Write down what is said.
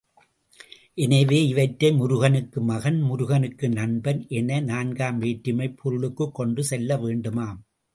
எனவே, இவற்றை முருகனுக்கு மகன், முருகனுக்கு நண்பன் என நான்காம் வேற்றுமைப் பொருளுக்குக் கொண்டு செல்ல வேண்டுமாம்.